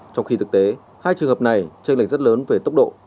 trong khi thực tế hai trường hợp này tranh lệch rất lớn về tốc độ